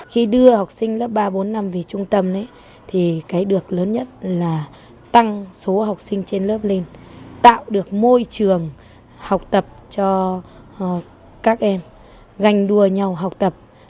khi đưa học sinh lớp ba bốn năm về trung tâm thì cái được lớn nhất là tăng số học sinh trên lớp lên tạo được môi trường học tập cho các em ganh đua nhau học tập